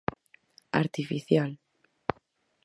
Artificial.